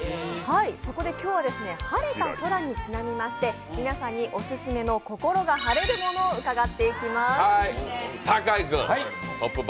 そこで今日は晴れた空にちなみまして、皆さんのオススメの心が晴れるものを伺っていきます。